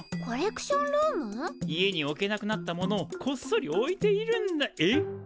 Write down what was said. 家に置けなくなったものをコッソリ置いているんだえっ？